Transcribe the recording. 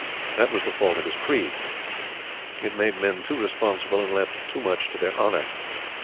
That was the fault of his creed. It made men too responsible and left too much to their honor.